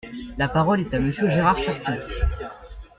La parole est à Monsieur Gérard Cherpion.